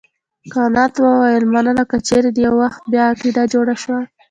کانت وویل مننه که چیرې دې یو وخت بیا عقیده جوړه شول.